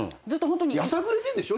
やさぐれてんでしょ？